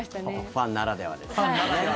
ファンならではですね。